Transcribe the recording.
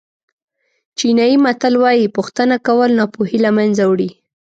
چینایي متل وایي پوښتنه کول ناپوهي له منځه وړي.